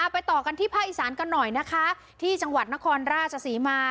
ไปต่อกันที่ภาคอีสานกันหน่อยนะคะที่จังหวัดนครราชศรีมา